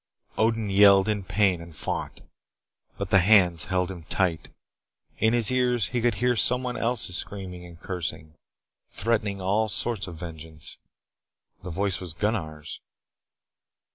Odin yelled in pain and fought. But the hands held him tight. In his ears he could hear someone else screaming and cursing threatening all sorts of vengeance. The voice was Gunnar's.